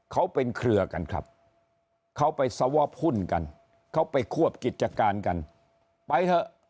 เขาเป็นเครือกันครับเขาไปสวอปหุ้นกันเขาไปควบกิจการกันไปเถอะ